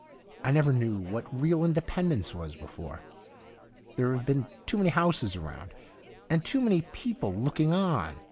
I never knew what real independence was before. There have been too many houses around, and too many people looking on.